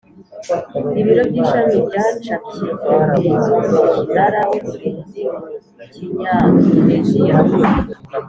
ibiro by ishami byacapye kopi z Umunara w Umurinzi mu kinyandoneziya